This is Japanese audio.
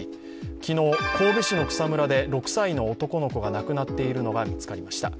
昨日、神戸市の草むらで６歳の男の子が亡くなっているのが見つかりました。